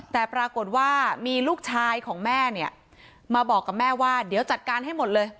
แต่ปรากฏว่ามีลูกชายของแม่เนี่ยมาบอกกับแม่ว่าเดี๋ยวจัดการให้หมดเลย